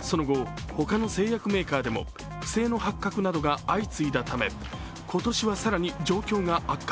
その後、ほかの製薬メーカーでも不正の発覚などが相次いだため今年は更に状況が悪化。